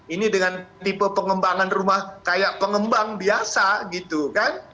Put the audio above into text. ini dengan tipe pengembangan rumah kayak pengembang biasa gitu kan